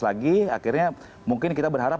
lagi akhirnya mungkin kita berharap